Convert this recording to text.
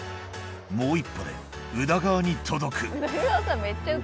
もう一歩で宇田川に届くあっ！